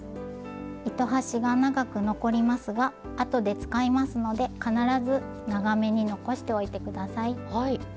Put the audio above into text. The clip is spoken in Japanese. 糸端が長く残りますがあとで使いますので必ず長めに残しておいて下さい。